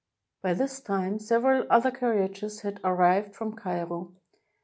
By this time, several other carriages had arrived from Cairo.